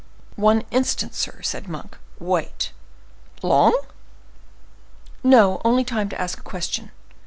"One instant, sir," said Monk, "wait." "Long?" "No; only the time to ask a question."